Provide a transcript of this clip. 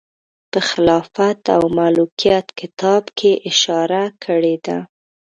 په خلافت او ملوکیت کتاب کې یې اشاره کړې ده.